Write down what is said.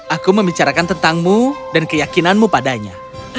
aku membicarakan tentangmu dan keyakinanmu padanya